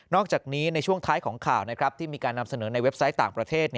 อกจากนี้ในช่วงท้ายของข่าวที่มีการนำเสนอในเว็บไซต์ต่างประเทศ